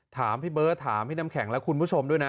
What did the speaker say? ถามพี่เบิร์ตถามพี่น้ำแข็งและคุณผู้ชมด้วยนะ